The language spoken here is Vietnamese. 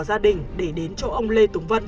gia đình để đến chỗ ông lê tùng vân